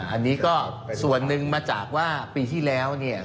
อันนี้ก็ส่วนหนึ่งมาจากว่าปีที่แล้วเนี่ย